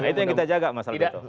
itu yang kita jaga mas alvito